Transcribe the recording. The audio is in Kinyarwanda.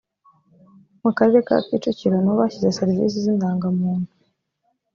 mu karere ka kicukiro niho bashyize serivise zi ndangamuntu